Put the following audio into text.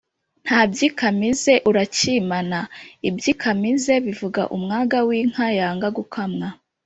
nta byikamize urakimana: ibyikamize bivuga umwaga w’inka yanga gukamwa